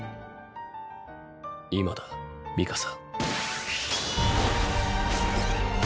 今だミカサ。